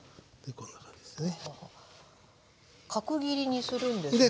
こんな感じですね。